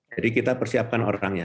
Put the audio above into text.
jadi kita persiapkan orangnya